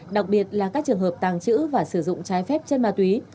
đặc biệt là các trường hợp tàng trữ và sử dụng trái phép chất ma túy